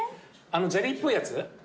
ゼリーっぽいやつ？